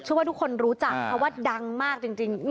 ว่าทุกคนรู้จักเพราะว่าดังมากจริง